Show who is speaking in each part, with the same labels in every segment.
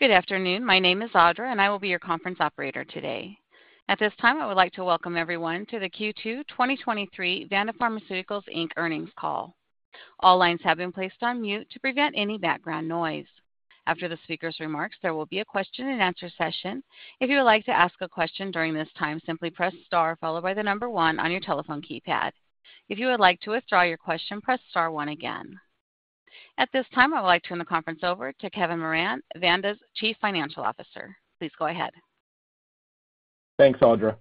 Speaker 1: Good afternoon. My name is Audra, and I will be your conference operator today. At this time, I would like to welcome everyone to the Q2 2023 Vanda Pharmaceuticals Inc. earnings call. All lines have been placed on mute to prevent any background noise. After the speaker's remarks, there will be a Q&A session. If you would like to ask a question during this time, simply press star followed by the number one on your telephone keypad. If you would like to withdraw your question, press star one again. At this time, I would like to turn the conference over to Kevin Moran, Vanda's Chief Financial Officer. Please go ahead.
Speaker 2: Thanks, Audra.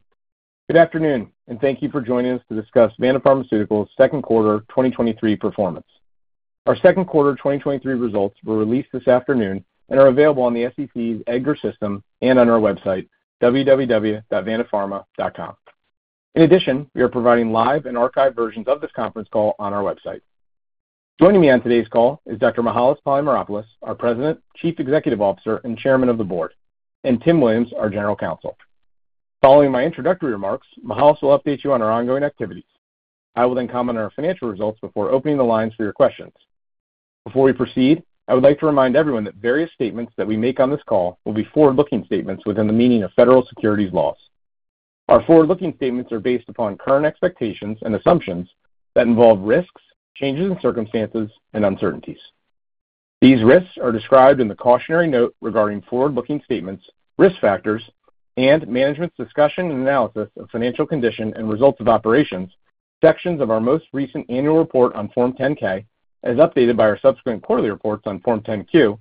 Speaker 2: Good afternoon, and thank you for joining us to discuss Vanda Pharmaceuticals' second quarter 2023 performance. Our second quarter 2023 results were released this afternoon and are available on the SEC's EDGAR system and on our website, www.vandapharma.com. In addition, we are providing live and archived versions of this conference call on our website. Joining me on today's call is Dr. Mihael H. Polymeropoulos, our President, Chief Executive Officer, and Chairman of the Board, and Tim Williams, our General Counsel. Following my introductory remarks, Mihael will update you on our ongoing activities. I will then comment on our financial results before opening the lines for your questions. Before we proceed, I would like to remind everyone that various statements that we make on this call will be forward-looking statements within the meaning of federal securities laws. Our forward-looking statements are based upon current expectations and assumptions that involve risks, changes in circumstances, and uncertainties. These risks are described in the cautionary note regarding forward-looking statements, risk factors, and management's discussion and analysis of financial condition and results of operations, sections of our most recent annual report on Form 10-K, as updated by our subsequent quarterly reports on Form 10-Q,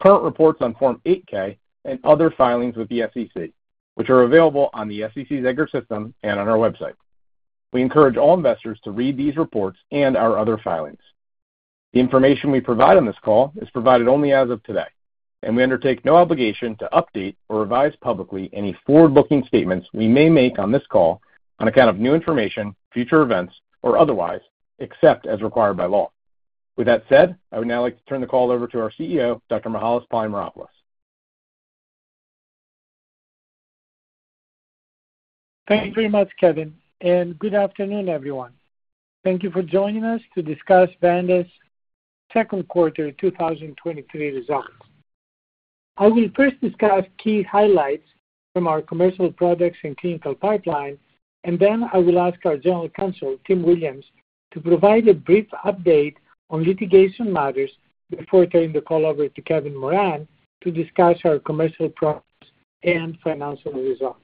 Speaker 2: current reports on Form 8-K, and other filings with the SEC, which are available on the SEC's EDGAR system and on our website. We encourage all investors to read these reports and our other filings. The information we provide on this call is provided only as of today, and we undertake no obligation to update or revise publicly any forward-looking statements we may make on this call on account of new information, future events, or otherwise, except as required by law. With that said, I would now like to turn the call over to our CEO, Dr. Mihael Polymeropoulos.
Speaker 3: Thank you very much, Kevin, and good afternoon, everyone. Thank you for joining us to discuss Vanda's second quarter 2023 results. I will first discuss key highlights from our commercial products and clinical pipeline, and then I will ask our General Counsel, Tim Williams, to provide a brief update on litigation matters before turning the call over to Kevin Moran to discuss our commercial products and financial results.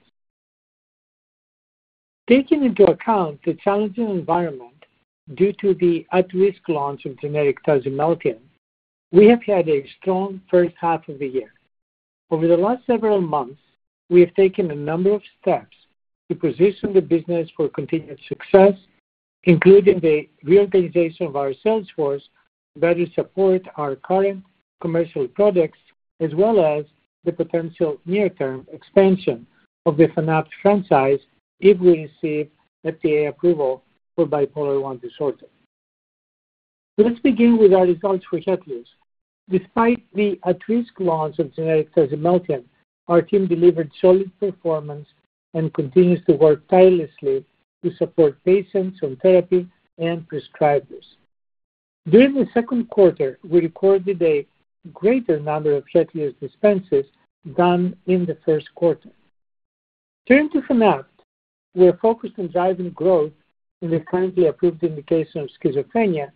Speaker 3: Taking into account the challenging environment due to the at-risk launch of generic tasimelteon, we have had a strong first half of the year. Over the last several months, we have taken a number of steps to position the business for continued success, including the reorganization of our sales force, better support our current commercial products, as well as the potential near-term expansion of the Fanapt franchise if we receive FDA approval for bipolar I disorder. Let's begin with our results for HETLIOZ. Despite the at-risk launch of generic tasimelteon, our team delivered solid performance and continues to work tirelessly to support patients on therapy and prescribers. During the second quarter, we recorded a greater number of HETLIOZ dispenses than in the first quarter. Turning to Fanapt, we are focused on driving growth in the currently approved indication of schizophrenia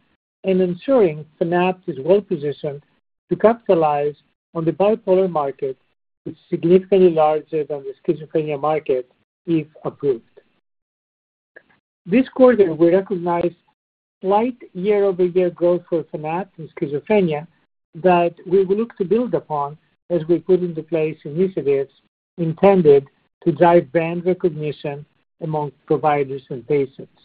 Speaker 3: and ensuring Fanapt is well positioned to capitalize on the bipolar market, which is significantly larger than the schizophrenia market, if approved. This quarter, we recognized slight year-over-year growth for Fanapt in schizophrenia that we will look to build upon as we put into place initiatives intended to drive brand recognition among providers and patients.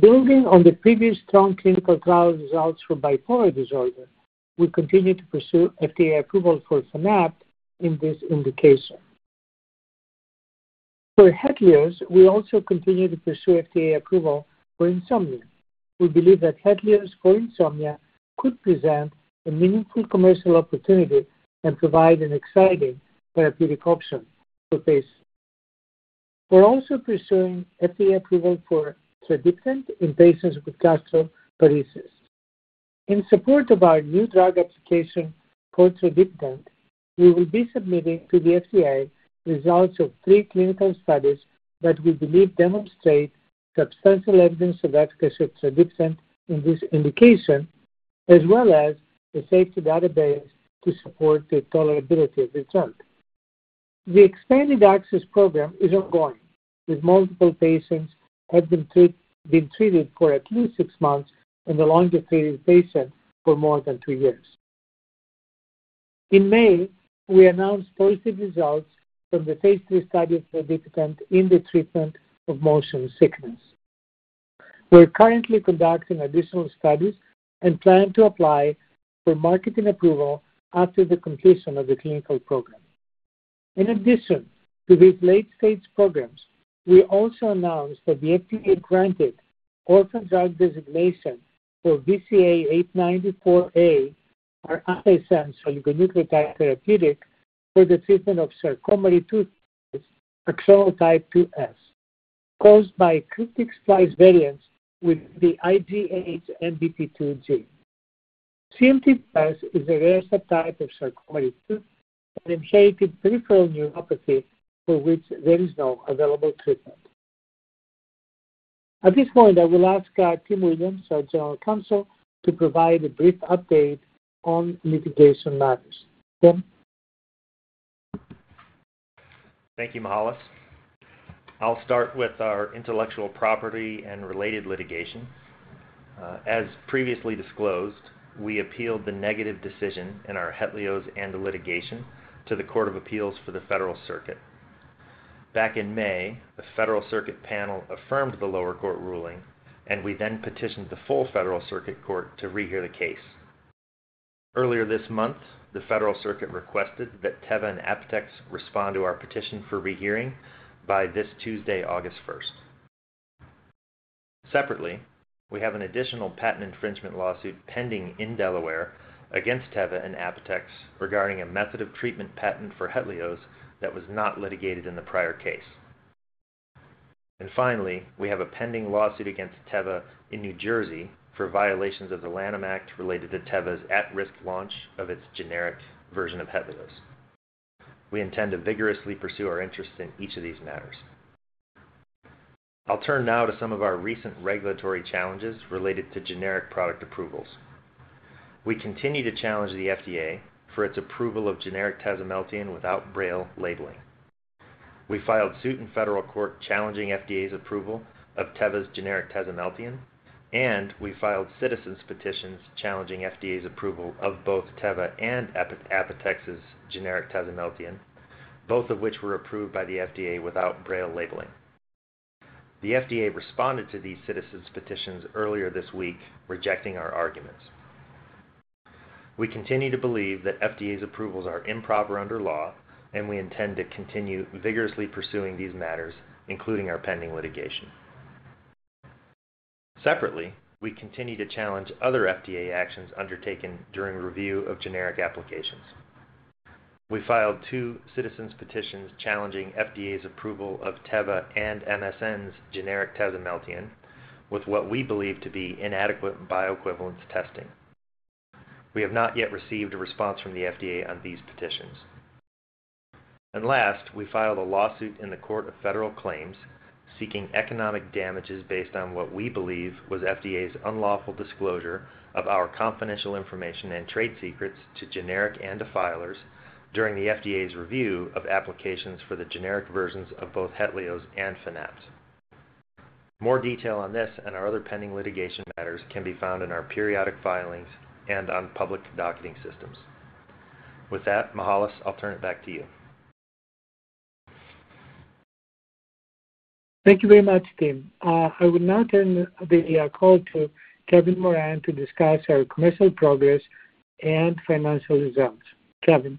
Speaker 3: Building on the previous strong clinical trial results for bipolar disorder, we continue to pursue FDA approval for Fanapt in this indication. For HETLIOZ, we also continue to pursue FDA approval for insomnia. We believe that HETLIOZ for insomnia could present a meaningful commercial opportunity and provide an exciting therapeutic option for patients. We're also pursuing FDA approval for tradipitant in patients with gastroparesis. In support of our new drug application for tradipitant, we will be submitting to the FDA results of three clinical studies that we believe demonstrate substantial evidence of efficacy of tradipitant in this indication, as well as the safety database to support the tolerability of the drug. The expanded access program is ongoing, with multiple patients have been treated for at least six months, and the longest treated patient for more than two years. In May, we announced positive results from the phase three study of tradipitant in the treatment of motion sickness. We're currently conducting additional studies and plan to apply for marketing approval after the completion of the clinical program. In addition to these late-stage programs, we also announced that the FDA granted Orphan Drug Designation for VCA-894A, our antisense oligonucleotide therapeutic for the treatment of Charcot-Marie-Tooth, axonal, type 2S caused by cryptic splice variants with the IGHMBP2 gene. CMT2S is a rare subtype of Charcot-Marie-Tooth and inherited peripheral neuropathy for which there is no available treatment. At this point, I will ask Tim Williams, our General Counsel, to provide a brief update on litigation matters. Tim?
Speaker 4: Thank you, Mihael. I'll start with our intellectual property and related litigation. As previously disclosed, we appealed the negative decision in our HETLIOZ and litigation to the U.S. Court of Appeals for the Federal Circuit. Back in May, the Federal Circuit panel affirmed the lower court ruling. We then petitioned the full Federal Circuit to rehear the case. Earlier this month, the Federal Circuit requested that Teva and Apotex respond to our petition for rehearing by this Tuesday, August 1st. Separately, we have an additional patent infringement lawsuit pending in Delaware against Teva and Apotex regarding a method of treatment patent for HETLIOZ that was not litigated in the prior case. Finally, we have a pending lawsuit against Teva in New Jersey for violations of the Lanham Act related to Teva's at-risk launch of its generic version of HETLIOZ. We intend to vigorously pursue our interests in each of these matters. I'll turn now to some of our recent regulatory challenges related to generic product approvals. We continue to challenge the FDA for its approval of generic tasimelteon without braille labeling. We filed suit in federal court challenging FDA's approval of Teva's generic tasimelteon, and we filed Citizen Petitions challenging FDA's approval of both Teva and Apotex's generic tasimelteon, both of which were approved by the FDA without braille labeling. The FDA responded to these Citizen Petitions earlier this week, rejecting our arguments. We continue to believe that FDA's approvals are improper under law, and we intend to continue vigorously pursuing these matters, including our pending litigation. Separately, we continue to challenge other FDA actions undertaken during review of generic applications. We filed two Citizen Petitions challenging FDA's approval of Teva and MSN's generic tasimelteon, with what we believe to be inadequate bioequivalence testing. We have not yet received a response from the FDA on these petitions. Last, we filed a lawsuit in the Court of Federal Claims, seeking economic damages based on what we believe was FDA's unlawful disclosure of our confidential information and trade secrets to generic and filers during the FDA's review of applications for the generic versions of both HETLIOZ and Fanapt. More detail on this and our other pending litigation matters can be found in our periodic filings and on public docketing systems. With that, Mihael, I'll turn it back to you.
Speaker 3: Thank you very much, Tim. I will now turn the call to Kevin Moran to discuss our commercial progress and financial results. Kevin?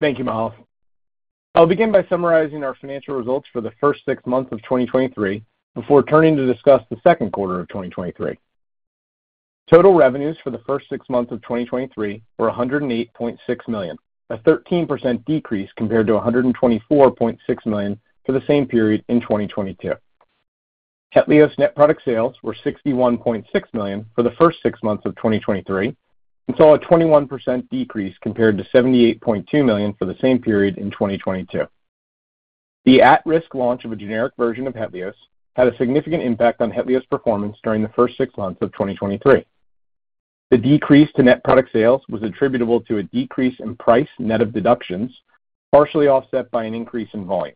Speaker 2: Thank you, Mihael. I'll begin by summarizing our financial results for the first six months of 2023, before turning to discuss the second quarter of 2023. Total revenues for the first six months of 2023 were $108.6 million, a 13% decrease compared to $124.6 million for the same period in 2022. HETLIOZ net product sales were $61.6 million for the first six months of 2023 and saw a 21% decrease compared to $78.2 million for the same period in 2022. The at-risk launch of a generic version of HETLIOZ had a significant impact on HETLIOZ performance during the first 6 months of 2023. The decrease to net product sales was attributable to a decrease in price net of deductions, partially offset by an increase in volume.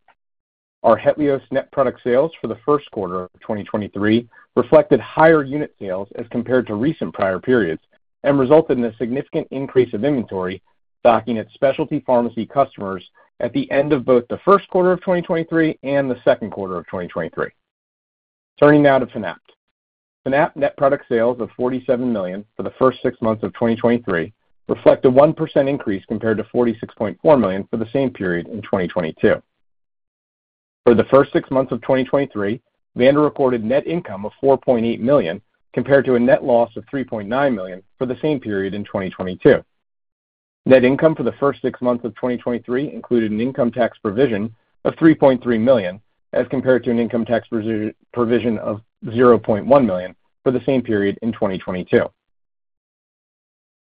Speaker 2: Our HETLIOZ net product sales for the first quarter of 2023 reflected higher unit sales as compared to recent prior periods and resulted in a significant increase of inventory stocking at specialty pharmacy customers at the end of both the first quarter of 2023 and the second quarter of 2023. Turning now to Fanapt. Fanapt net product sales of $47 million for the first six months of 2023 reflect a 1% increase compared to $46.4 million for the same period in 2022. For the first six months of 2023, Vanda reported net income of $4.8 million, compared to a net loss of $3.9 million for the same period in 2022. Net income for the first six months of 2023 included an income tax provision of $3.3 million, as compared to an income tax provision of $0.1 million for the same period in 2022.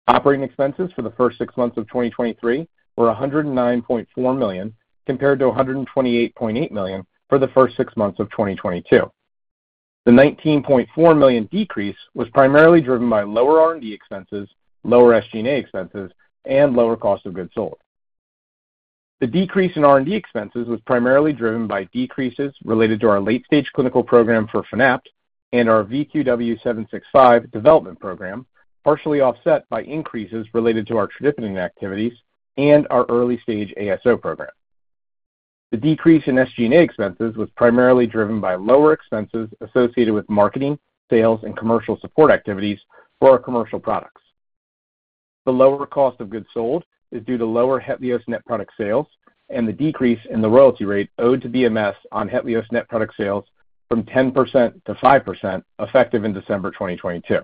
Speaker 2: Operating expenses for the first six months of 2023 were $109.4 million, compared to $128.8 million for the first six months of 2022. The $19.4 million decrease was primarily driven by lower R&D expenses, lower SG&A expenses, and lower cost of goods sold. The decrease in R&D expenses was primarily driven by decreases related to our late-stage clinical program for Fanapt and our VQW-765 development program, partially offset by increases related to our tradipitant activities and our early-stage ASO program. The decrease in SG&A expenses was primarily driven by lower expenses associated with marketing, sales, and commercial support activities for our commercial products. The lower cost of goods sold is due to lower HETLIOZ net product sales and the decrease in the royalty rate owed to BMS on HETLIOZ net product sales from 10% to 5%, effective in December 2022.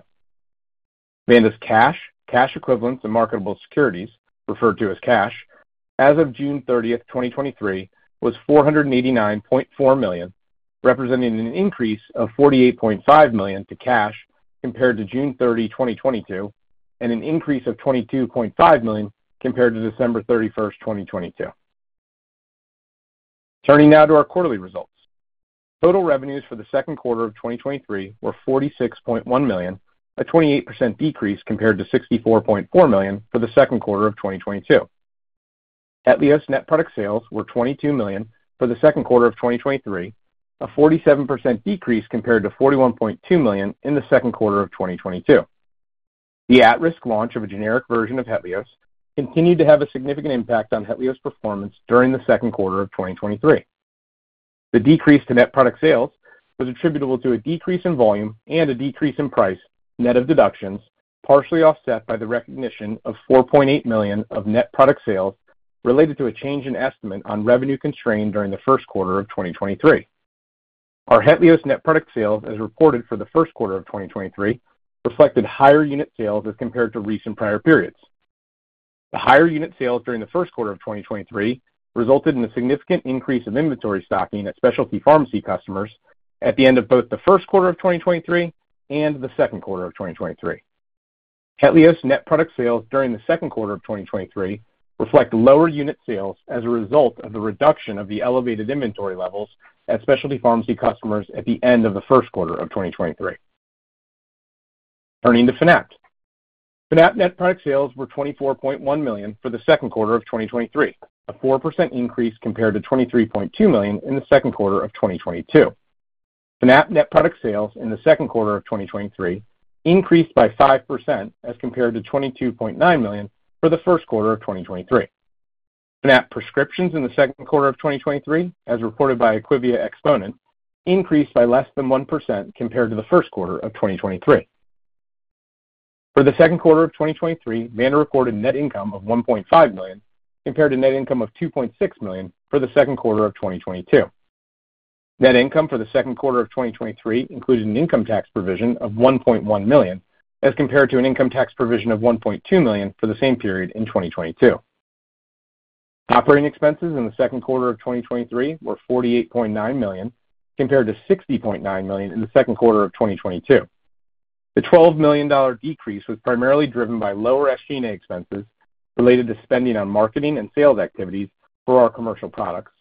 Speaker 2: Vanda's cash, cash equivalents, and marketable securities, referred to as cash, as of June 30th, 2023, was $489.4 million, representing an increase of $48.5 million to cash compared to June 30, 2022, and an increase of $22.5 million compared to December 31st, 2022. Turning now to our quarterly results. Total revenues for the second quarter of 2023 were $46.1 million, a 28% decrease compared to $64.4 million for the second quarter of 2022. HETLIOZ net product sales were $22 million for the second quarter of 2023, a 47% decrease compared to $41.2 million in the second quarter of 2022. The at-risk launch of a generic version of HETLIOZ continued to have a significant impact on HETLIOZ performance during the second quarter of 2023. The decrease to net product sales was attributable to a decrease in volume and a decrease in price, net of deductions, partially offset by the recognition of $4.8 million of net product sales related to a change in estimate on revenue constrained during the first quarter of 2023. Our HETLIOZ net product sales, as reported for the first quarter of 2023, reflected higher unit sales as compared to recent prior periods. The higher unit sales during the first quarter of 2023 resulted in a significant increase in inventory stocking at specialty pharmacy customers at the end of both the first quarter of 2023 and the second quarter of 2023. HETLIOZ net product sales during the second quarter of 2023 reflect lower unit sales as a result of the reduction of the elevated inventory levels at specialty pharmacy customers at the end of the first quarter of 2023. Turning to Fanapt. Fanapt net product sales were $24.1 million for the second quarter of 2023, a 4% increase compared to $23.2 million in the second quarter of 2022. Fanapt net product sales in the second quarter of 2023 increased by 5% as compared to $22.9 million for the first quarter of 2023. Fanapt prescriptions in the second quarter of 2023, as reported by IQVIA Xponent, increased by less than 1% compared to the first quarter of 2023. For the second quarter of 2023, Vanda recorded net income of $1.5 million, compared to net income of $2.6 million for the second quarter of 2022. Net income for the second quarter of 2023 included an income tax provision of $1.1 million, as compared to an income tax provision of $1.2 million for the same period in 2022. Operating expenses in the second quarter of 2023 were $48.9 million, compared to $60.9 million in the second quarter of 2022. The $12 million decrease was primarily driven by lower SG&A expenses related to spending on marketing and sales activities for our commercial products.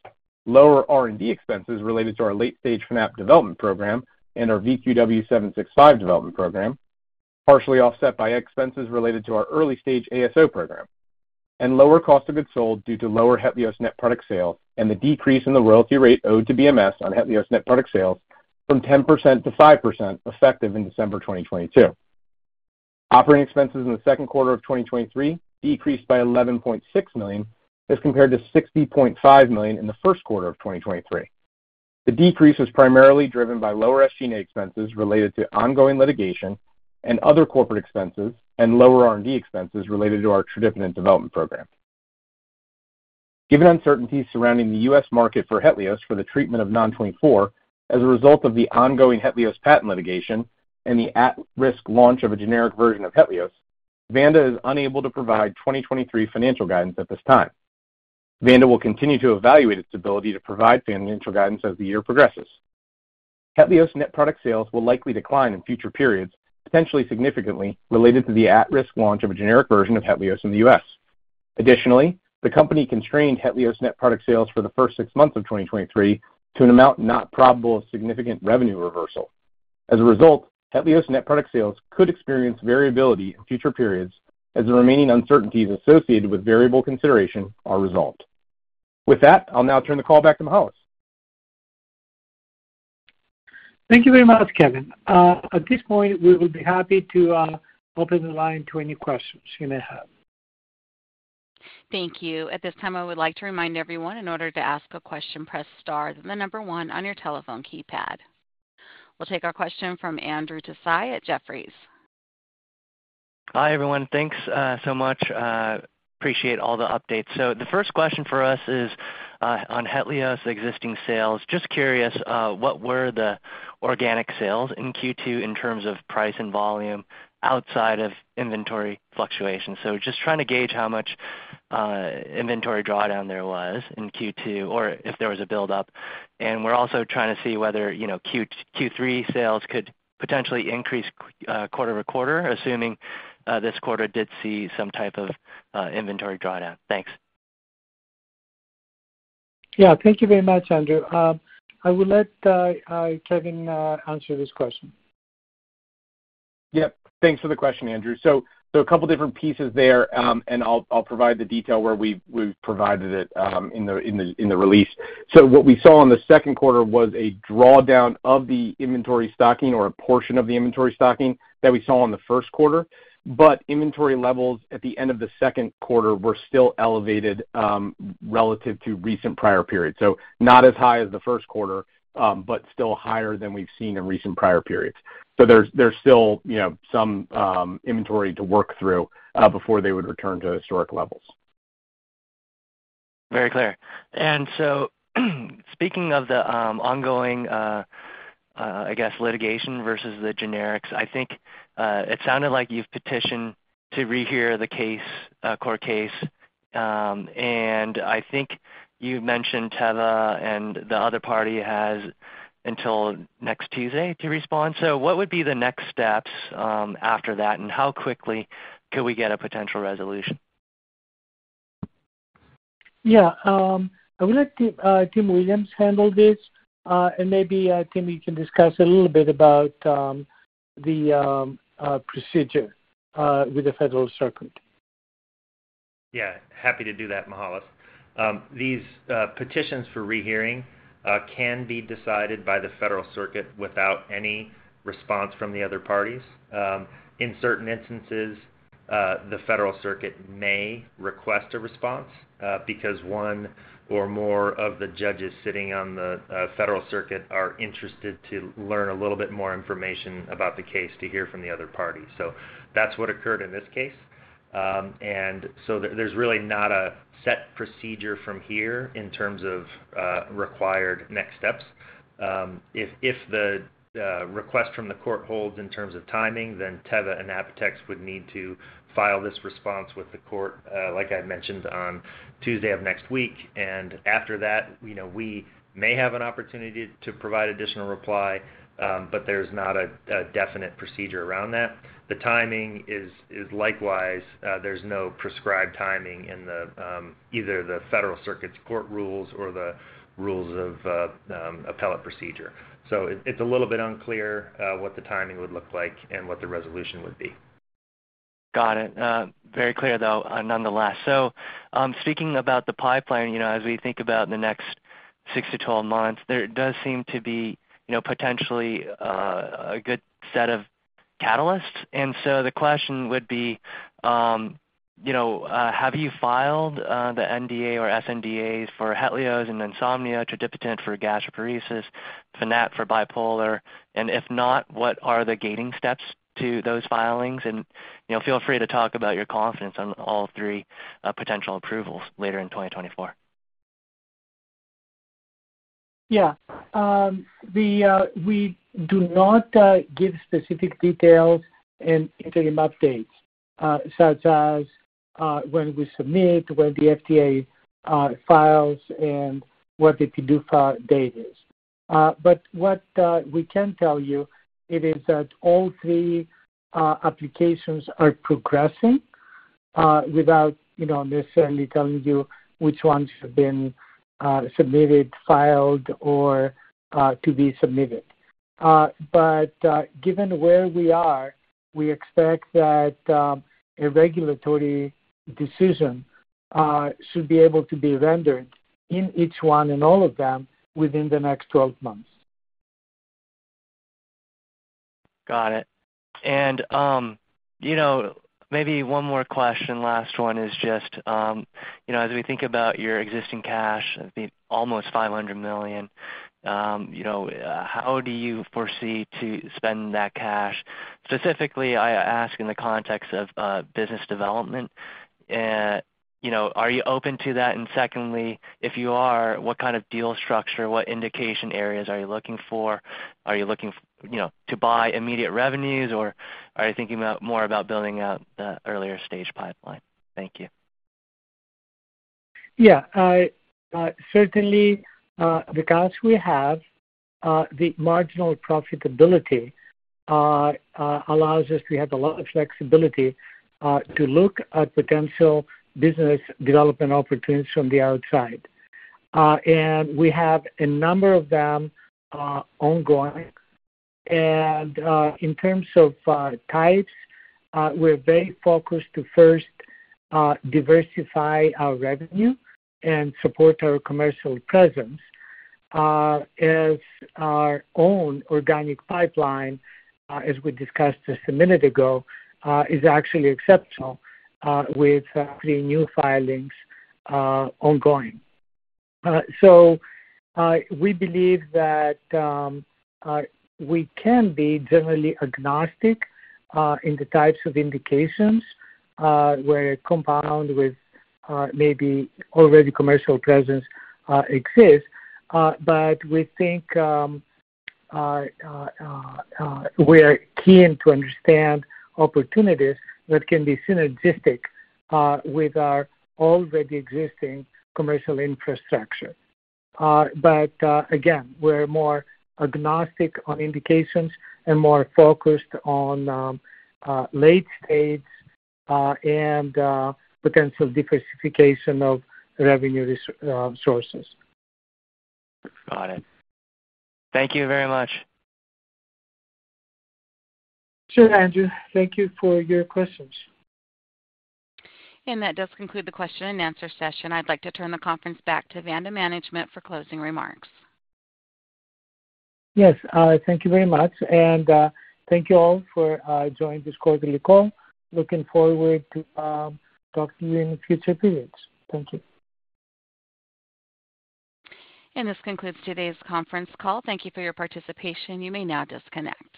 Speaker 2: Lower R&D expenses related to our late stage Fanapt development program and our VQW-765 development program, partially offset by expenses related to our early-stage ASO program and lower cost of goods sold due to lower HETLIOZ net product sales and the decrease in the royalty rate owed to BMS on HETLIOZ net product sales from 10% to 5%, effective in December 2022. Operating expenses in the second quarter of 2023 decreased by $11.6 million, as compared to $60.5 million in the first quarter of 2023. The decrease was primarily driven by lower SG&A expenses related to ongoing litigation and other corporate expenses, and lower R&D expenses related to our tradipitant development program. Given uncertainties surrounding the U.S. market for HETLIOZ for the treatment of Non-24, as a result of the ongoing HETLIOZ patent litigation and the at-risk launch of a generic version of HETLIOZ, Vanda is unable to provide 2023 financial guidance at this time. Vanda will continue to evaluate its ability to provide financial guidance as the year progresses. HETLIOZ net product sales will likely decline in future periods, potentially significantly, related to the at-risk launch of a generic version of HETLIOZ in the U.S. Additionally, the company constrained HETLIOZ net product sales for the first 6 months of 2023 to an amount not probable of significant revenue reversal. As a result, HETLIOZ net product sales could experience variability in future periods as the remaining uncertainties associated with variable consideration are resolved. With that, I'll now turn the call back to Mihael.
Speaker 3: Thank you very much, Kevin. At this point, we would be happy to open the line to any questions you may have.
Speaker 1: Thank you. At this time, I would like to remind everyone, in order to ask a question, press star, then the number 1 on your telephone keypad. We'll take our question from Andrew Tsai at Jefferies.
Speaker 5: Hi, everyone. Thanks so much. Appreciate all the updates. The first question for us is on HETLIOZ existing sales. Just curious, what were the organic sales in Q2 in terms of price and volume outside of inventory fluctuations? Just trying to gauge how much inventory drawdown there was in Q2, or if there was a buildup. We're also trying to see whether, you know, Q2 Q3 sales could potentially increase quarter-over-quarter, assuming this quarter did see some type of inventory drawdown. Thanks.
Speaker 3: Yeah, thank you very much, Andrew. I will let Kevin answer this question.
Speaker 2: Yep, thanks for the question, Andrew. A couple different pieces there. I'll, I'll provide the detail where we've, we've provided it, in the, in the, in the release. What we saw in the second quarter was a drawdown of the inventory stocking or a portion of the inventory stocking that we saw in the first quarter. Inventory levels at the end of the second quarter were still elevated, relative to recent prior periods. Not as high as the first quarter, but still higher than we've seen in recent prior periods. There's, there's still, you know, some inventory to work through, before they would return to historic levels.
Speaker 5: Very clear. Speaking of the ongoing, I guess, litigation versus the generics, I think it sounded like you've petitioned to rehear the case, court case. I think you mentioned Teva and the other party has until next Tuesday to respond. What would be the next steps after that, and how quickly could we get a potential resolution?
Speaker 3: Yeah. I would let Tim Williams handle this. Maybe Tim, you can discuss a little bit about the procedure with the Federal Circuit.
Speaker 4: Yeah, happy to do that, Mihael. These petitions for rehearing can be decided by the Federal Circuit without any response from the other parties. In certain instances, the Federal Circuit may request a response because one or more of the judges sitting on the Federal Circuit are interested to learn a little bit more information about the case to hear from the other party. That's what occurred in this case. There, there's really not a set procedure from here in terms of required next steps. If the request from the court holds in terms of timing, Teva and Apotex would need to file this response with the court, like I mentioned, on Tuesday of next week. After that, you know, we may have an opportunity to provide additional reply, but there's not a definite procedure around that. The timing is, is likewise, there's no prescribed timing in either the Federal Circuit's court rules or the rules of appellate procedure. It's a little bit unclear what the timing would look like and what the resolution would be.
Speaker 5: Got it. Very clear, though, nonetheless. Speaking about the pipeline, you know, as we think about the next 6 to 12 months, there does seem to be, you know, potentially, a good set of catalysts. The question would be, you know, have you filed the NDA or sNDAs for HETLIOZ in insomnia, tradipitant for gastroparesis, Fanapt for bipolar? If not, what are the gating steps to those filings? You know, feel free to talk about your confidence on all three potential approvals later in 2024.
Speaker 3: Yeah. The we do not give specific details and interim updates, such as when we submit, when the FDA files, and what the PDUFA date is. What we can tell you it is that all three applications are progressing, without, you know, necessarily telling you which ones have been submitted, filed, or to be submitted. Given where we are, we expect that a regulatory decision should be able to be rendered in each one and all of them within the next 12 months.
Speaker 5: Got it. You know, maybe one more question. Last one is just, you know, as we think about your existing cash, the almost $500 million, you know, how do you foresee to spend that cash? Specifically, I ask in the context of business development. You know, are you open to that? Secondly, if you are, what kind of deal structure, what indication areas are you looking for? Are you looking, you know, to buy immediate revenues, or are you thinking about, more about building out the earlier stage pipeline? Thank you.
Speaker 3: Yeah. Certainly, the cash we have, the marginal profitability, allows us to have a lot of flexibility to look at potential business development opportunities from the outside. We have a number of them ongoing. In terms of types, we're very focused to first diversify our revenue and support our commercial presence, as our own organic pipeline, as we discussed just a minute ago, is actually exceptional, with three new filings ongoing. We believe that we can be generally agnostic in the types of indications where a compound with maybe already commercial presence exists. We think we are keen to understand opportunities that can be synergistic with our already existing commercial infrastructure. Again, we're more agnostic on indications and more focused on, late stage, and, potential diversification of revenue sources.
Speaker 5: Got it. Thank you very much.
Speaker 3: Sure, Andrew. Thank you for your questions.
Speaker 1: That does conclude the Q&A session. I'd like to turn the conference back to Vanda management for closing remarks.
Speaker 3: Yes, thank you very much, and, thank you all for joining this quarterly call. Looking forward to talk to you in future periods. Thank you.
Speaker 1: This concludes today's conference call. Thank you for your participation. You may now disconnect.